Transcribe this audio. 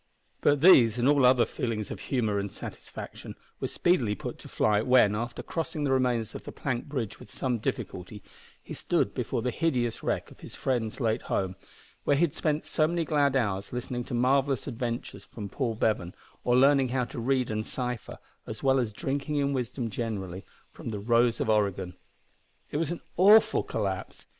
But these and all other feelings of humour and satisfaction were speedily put to flight when, after crossing the remains of the plank bridge with some difficulty, he stood before the hideous wreck of his friend's late home, where he had spent so many glad hours listening to marvellous adventures from Paul Bevan, or learning how to read and cipher, as well as drinking in wisdom generally, from the Rose of Oregon. It was an awful collapse.